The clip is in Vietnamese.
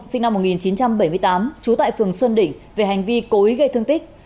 sinh năm một nghìn chín trăm bảy mươi tám trú tại phường xuân đỉnh về hành vi cố ý gây thương tích